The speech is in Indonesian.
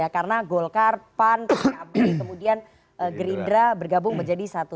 karena golkar pan kb kemudian gerindra bergabung menjadi satu